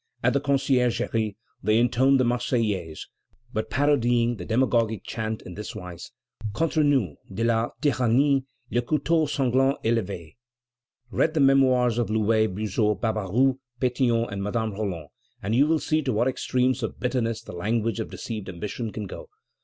At the Conciergerie they intoned the Marseillaise, but parodying the demagogic chant in this wise: Contre nous de la tyrannie Le couteau sanglant est levé. Read the Memoirs of Louvet, Buzot, Barbaroux, Pétion, and Madame Roland, and you will see to what extremes of bitterness the language of deceived ambition can go.